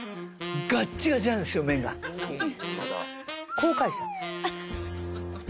こう返したんです。